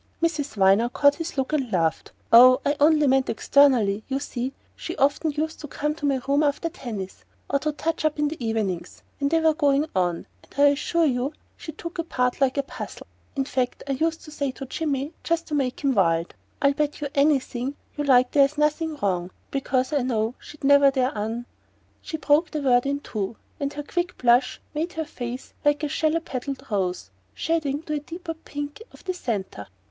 Miss Viner caught his look and laughed. "Oh, I only meant externally! You see, she often used to come to my room after tennis, or to touch up in the evenings, when they were going on; and I assure you she took apart like a puzzle. In fact I used to say to Jimmy just to make him wild : 'I'll bet you anything you like there's nothing wrong, because I know she'd never dare un '" She broke the word in two, and her quick blush made her face like a shallow petalled rose shading to the deeper pink of the centre.